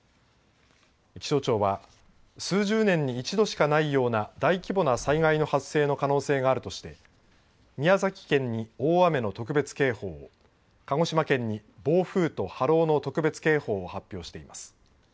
気象庁は数十年に一度しかないような大規模な災害の発生の可能性があるとして宮崎県に大雨の特別警報を鹿児島県に暴風と波浪の特別警報を発表しています。